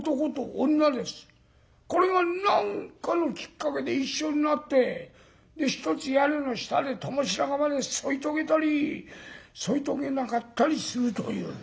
これが何かのきっかけで一緒になって一つ屋根の下で共白髪まで添い遂げたり添い遂げなかったりするという。